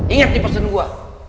ingat di pesen gue